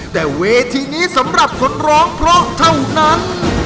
แต่เวทีนี้สำหรับคนร้องเพราะเท่านั้น